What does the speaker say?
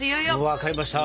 分かりました。